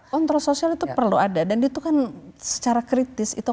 kontrol sosial itu perlu ada dan itu kan secara kritis itu akan membangun kesadaran